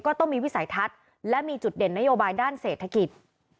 ก็ต้องมีวิสัยทัศน์และมีจุดเด่นนโยบายด้านเศรษฐกิจ